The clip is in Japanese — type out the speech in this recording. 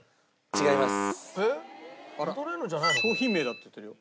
違います！